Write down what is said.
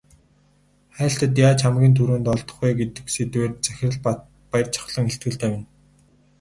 Хайлтад яаж хамгийн түрүүнд олдох вэ гэдэг сэдвээр захирал Баяржавхлан илтгэл тавина.